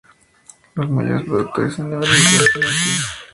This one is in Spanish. Los mayores productores a nivel mundial son Haití, la India, Java y Reunión.